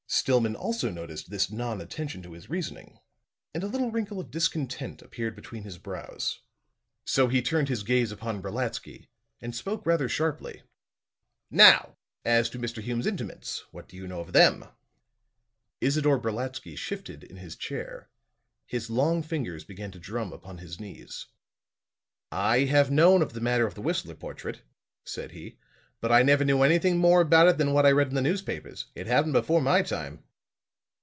Stillman also noticed this non attention to his reasoning, and a little wrinkle of discontent appeared between his brows. So he turned his gaze upon Brolatsky and spoke rather sharply. "Now, as to Mr. Hume's intimates? What do you know of them?" Isidore Brolatsky shifted in his chair; his long fingers began to drum upon his knees. "I have known of the matter of the Whistler portrait," said he, "but I never knew anything more about it than what I read in the newspapers. It happened before my time."